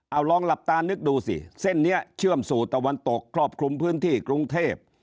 เอาลองหลับตานึกดูสิเส้นนี้เชื่อมสู่ตะวันตกครอบคลุมพื้นที่กรุงเทพ